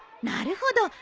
なるほど！